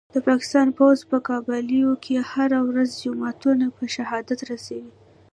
د پاکستان پوځ په قبایلو کي هره ورځ جوماتونه په شهادت رسوي